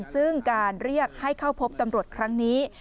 ซึ่งการเรียกให้เข้าพบตำรวจครั้งนี้